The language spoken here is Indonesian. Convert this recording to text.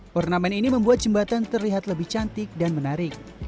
turnamen ini membuat jembatan terlihat lebih cantik dan menarik